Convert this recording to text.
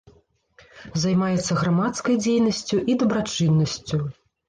Займаецца грамадскай дзейнасцю і дабрачыннасцю.